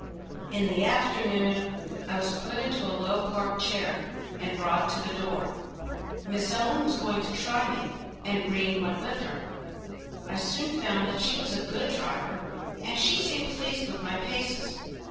In the afternoon I was put into a low park chair and brought to the door. Miss Ellen was going to try me, and Green went with her. I soon found that she was a good driver, and she seemed pleased with my paces.